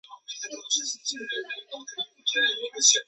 以防御吴佩孚军队进攻。